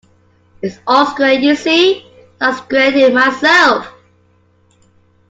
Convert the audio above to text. It's all squared, you see, as I squared it myself.